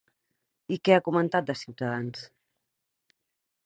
I què ha comentat de Ciutadans?